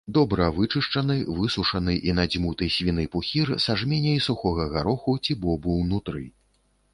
Добра вычышчаны, высушаны і надзьмуты свіны пухір са жменяй сухога гароху ці бобу ўнутры.